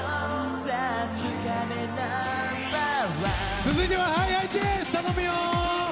続いてはＨｉＨｉＪｅｔｓ！頼むよ！